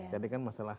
jadi kan masalah